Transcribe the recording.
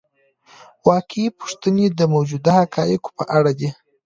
واقعي پوښتنې د موجودو حقایقو په اړه دي.